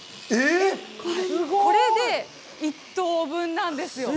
これで１頭分なんですよ。